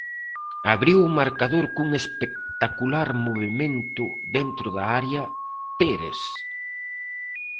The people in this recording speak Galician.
Abriu o marcador cun espectacular movemento dentro da área Pérez.